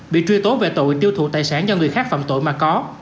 bị truy tố về tội tiêu thụ tài sản do người khác phạm tội mà có